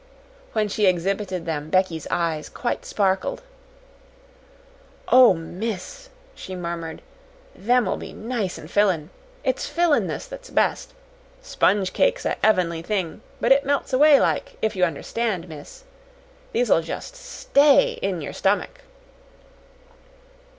When she exhibited them, Becky's eyes quite sparkled. "Oh, miss!" she murmured. "Them will be nice an' fillin.' It's fillin'ness that's best. Sponge cake's a 'evenly thing, but it melts away like if you understand, miss. These'll just STAY in yer stummick."